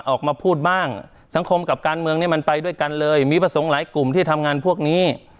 ออกมาพูดบ้างสังคมกับการเมืองนี้มันไปด้วยกันเลยมีพระสงฆ์หลายกลุ่มที่ทำงานพวกนี้